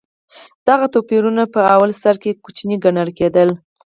دغه توپیرونه په لومړي سر کې کوچني ګڼل کېدل.